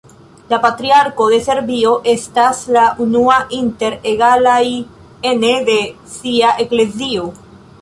La Patriarko de Serbio estas la unua inter egalaj ene de sia eklezio.